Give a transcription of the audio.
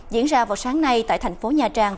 diễn ra vào sáng nay tại thành phố nha trang